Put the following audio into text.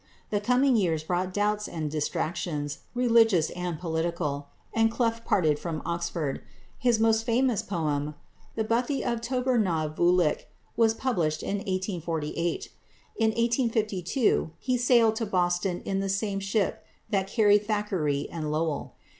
The coming years brought doubts and distractions, religious and political, and Clough parted from Oxford. His most famous poem, "The Bothie of Tober na Vuolich," was published in 1848. In 1852 he sailed to Boston in the same ship that carried Thackeray and Lowell.